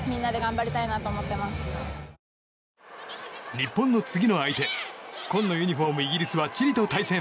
日本の次の相手紺のユニホーム、イギリスはチリと対戦。